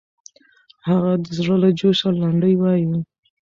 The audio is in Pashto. هغه د زړه له جوشه لنډۍ وایي.